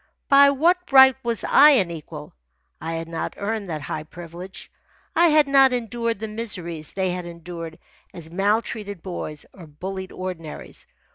By what right was I an equal? I had not earned that high privilege. I had not endured the miseries they had endured as maltreated boys or bullied ordinaries.